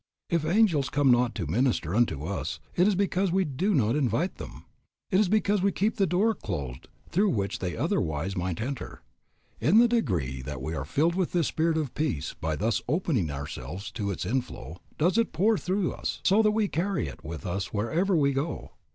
If angels come not to minister unto us it is because we do not invite them, it is because we keep the door closed through which they otherwise might enter. In the degree that we are filled with this Spirit of Peace by thus opening ourselves to its inflow does it pour through us, so that we carry it with us wherever we go.